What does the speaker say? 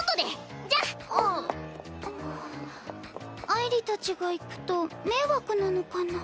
あいりたちが行くと迷惑なのかな？